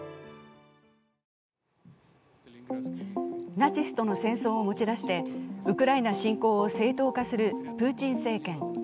ナチスとの戦争を持ち出してウクライナ侵攻を正当化するプーチン政権。